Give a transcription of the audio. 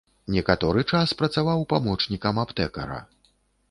Некаторы час працаваў памочнікам аптэкара.